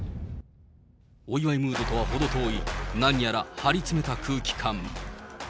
お祝いムードとは程遠い、何やら張り詰めた空気感。